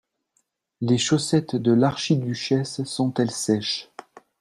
Les chaussettes de l'archiduchesse sont-elles sèches?